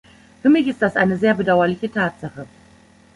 Für mich ist das eine sehr bedauerliche Tatsache.